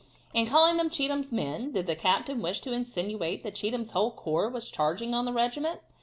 In calling them Cheatham's men, did the captain wish to insinuate that Cheatham's whole corps was charging on the regiment?